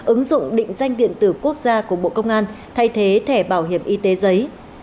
ứng dụng định danh điện tử quốc gia của bộ công an thay thế thẻ bảo hiểm y tế giấy